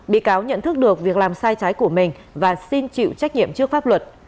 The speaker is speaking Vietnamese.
bị cáo nhận thức được việc làm sai trái của mình và xin chịu trách nhiệm trước pháp luật